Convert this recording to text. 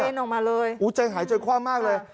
กระเต้นออกมาเลยอุ้ยใจหายจอยความมากเลยอ่ะ